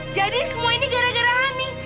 jadi semua ini gara gara hane